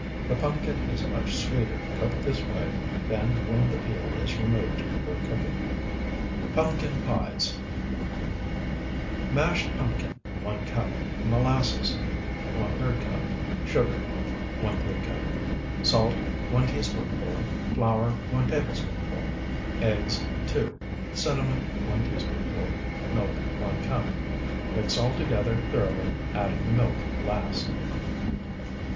The pumpkin is much sweeter cooked this way than when the peel is removed before cooking. PUMPKIN PIES Mashed pumpkin, 1 cup. Molasses, ⅓ cup. Sugar, ⅓ cup. Salt, 1 teaspoonful. Flour, 1 tablespoonful. Eggs, 2. Cinnamon, 1 teaspoonful. Milk, 1 cup. Mix all together thoroughly, adding the milk last.